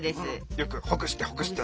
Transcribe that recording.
よくほぐしてほぐして。